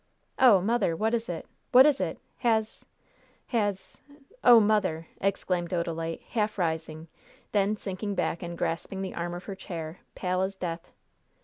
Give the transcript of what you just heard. "Oh, mother! what is it? What is it? Has has Oh, mother!" exclaimed Odalite, half rising, then sinking back and grasping the arm of her chair, pale as death.